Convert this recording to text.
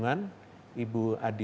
setelah itu saya akan contohkan ini